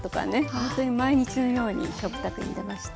ほんとに毎日のように食卓に出ました。